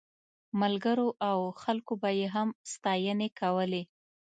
ملګرو او خلکو به یې هم ستاینې کولې.